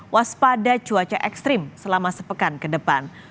waspada cuaca ekstrim selama sepekan ke depan